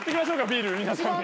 ビール皆さんに。